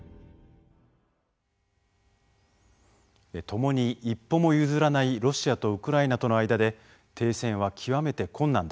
ともに一歩も譲らないロシアとウクライナとの間で停戦は極めて困難だ。